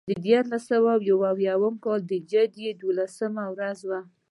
د دیارلس سوه یو اویا د جدې یوولسمه ورځ ده.